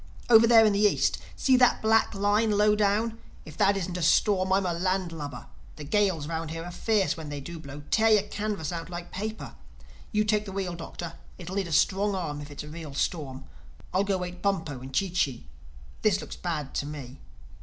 —over there in the East—see that black line, low down? If that isn't a storm I'm a land lubber. The gales round here are fierce, when they do blow—tear your canvas out like paper. You take the wheel, Doctor: it'll need a strong arm if it's a real storm. I'll go wake Bumpo and Chee Chee. This looks bad to me.